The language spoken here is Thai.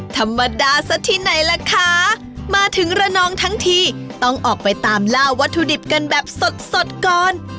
ธรรมดาซะที่ไหนล่ะคะมาถึงระนองทั้งทีต้องออกไปตามล่าวัตถุดิบกันแบบสดสดก่อน